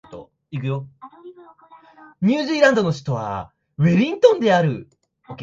ニュージーランドの首都はウェリントンである